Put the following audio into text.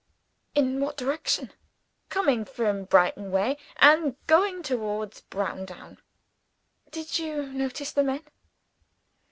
"In what direction?" "Coming from Brighton way, and going towards Browndown." "Did you notice the men?"